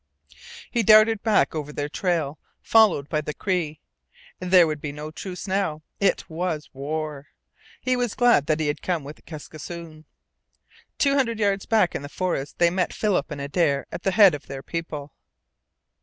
He darted back over their trail, followed by the Cree. There would be no truce now! It was WAR. He was glad that he had come with Kaskisoon. Two hundred yards back in the forest they met Philip and Adare at the head of their people.